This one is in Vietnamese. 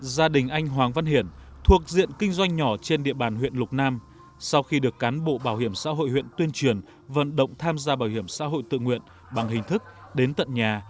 gia đình anh hoàng văn hiển thuộc diện kinh doanh nhỏ trên địa bàn huyện lục nam sau khi được cán bộ bảo hiểm xã hội huyện tuyên truyền vận động tham gia bảo hiểm xã hội tự nguyện bằng hình thức đến tận nhà